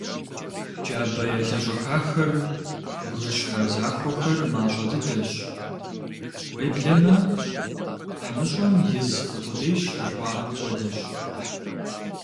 Джабэ елъэщӏэхахэр, бгыщхьэ захуэхэр мащӏэ дыдэщ, уеблэмэ «ӏэмыщӏэм из хъу къудейщ» жыхуаӏэм хуэдэщ.